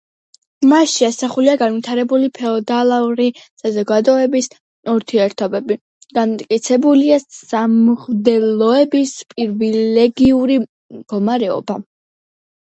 მასში ასახულია განვითარებული ფეოდალური საზოგადოების ურთიერთობები, განმტკიცებულია სამღვდელოების პრივილეგიური მდგომარეობა.